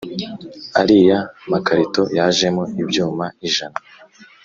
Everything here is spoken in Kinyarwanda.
ariya makarito yajemo ibyuma ijana